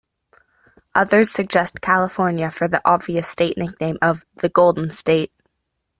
Other suggest California for the obvious state nickname of the "Golden State".